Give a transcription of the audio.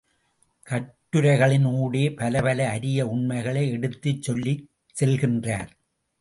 கட்டுரைகளின் ஊடே பலபல அரிய உண்மைகளை எடுத்துச் சொல்லிச் செல்கின்றார்.